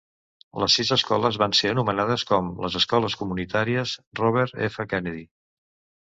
Les sis escoles van ser anomenades com les Escoles Comunitàries Robert F. Kennedy.